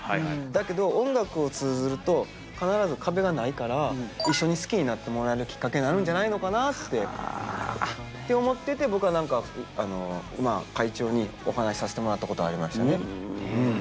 だけど音楽を通ずると必ず壁がないから一緒に好きになってもらえるきっかけになるんじゃないのかなって思ってて僕は会長にお話しさせてもらったことありましたね。